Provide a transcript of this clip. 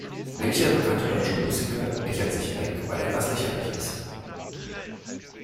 Welcher bekannte deutsche Musiker bechert sich weg, weil etwas lächerlich ist?